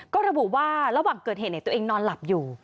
ก็ระบุว่าระหว่างเกิดเหตุตัวเองนอนหลับอยู่